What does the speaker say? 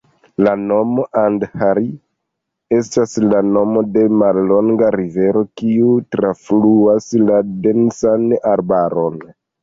La nomo "Andhari" estas la nomo de mallonga rivero kiu trafluas la densan arbaron.